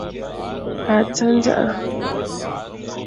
A tsa ndzaʼa.